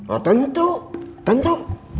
oh tentu tentu